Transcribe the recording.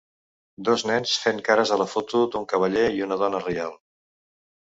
Dos nens fent cares a la foto d'un cavaller i una dona reial.